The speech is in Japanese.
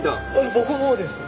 僕もです。